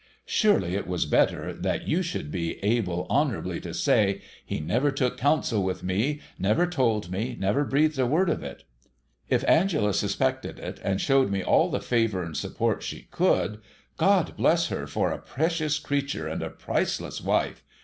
Surely it was better that you should be able honourably to say, *' He never took counsel with me, never told me, never breathed a word of it." If Angela suspected it, and showed me all the favour and support she could — God bless her for a precious creature and a priceless wife